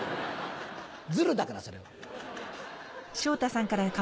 ズルだからそれは。